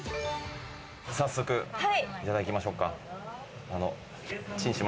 早速、いただきましょうか。